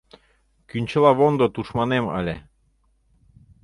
Кӱнчылавондо тушманем ыле